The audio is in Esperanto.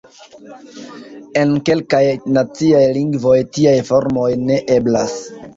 En kelkaj naciaj lingvoj tiaj formoj ne eblas.